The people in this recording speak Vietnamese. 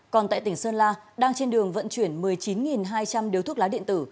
còn tại tỉnh sơn la đang trên đường vận chuyển một mươi chín hai trăm linh điếu thuốc lá điện tử